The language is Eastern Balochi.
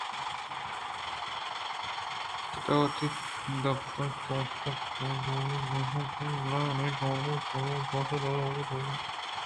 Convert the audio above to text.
پدا وتی دپے چوٹ کُت ءُ گوں گوٛرگ ءُگوٛشت ئِے بلے تومنی چَراگاں چَرتگگوٛرگ ءَ پسّہ دات واجہ من تنیگہ کاہ ءَرا تام چَشُکی ہم دپ نہ جتگ